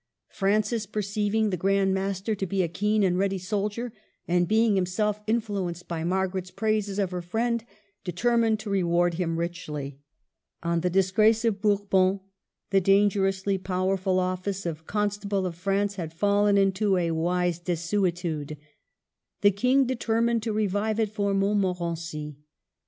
Francis, perceiv ing the Grand Master to be a keen and ready soldier, and being himself influenced by Mar garet's praises of her friend, determined to reward him richly. On the disgrace of Bour bon, the dangerously powerful office of Consta ble of France had fallen into a wise desuetude. The King determined to revive it for Montmo rency.